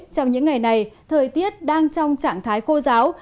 trong những ngày này thời tiết đang trong trạng thái khô giáo